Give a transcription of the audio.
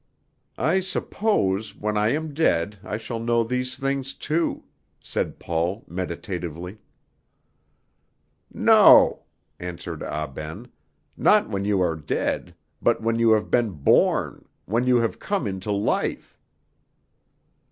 "I suppose, when I am dead, I shall know these things too," said Paul meditatively. "No," answered Ah Ben, "not when you are dead, but when you have been born when you have come into life."